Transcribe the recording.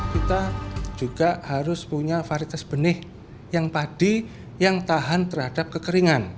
kita juga harus punya varitas benih yang padi yang tahan terhadap kekeringan